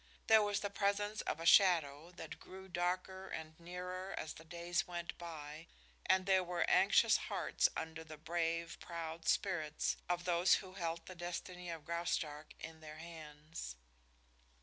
There was the presence of a shadow that grew darker and nearer as the days went by, and there were anxious hearts under the brave, proud spirits of those who held the destiny of Graustark in their hands.